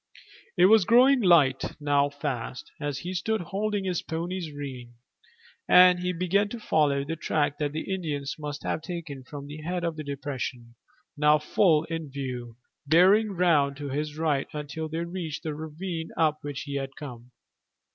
It was growing light now fast, as he stood holding his pony's rein, and he began to follow the track that the Indians must have taken from the head of the depression, now full in view, bearing round to his right until they reached the ravine up which he had come.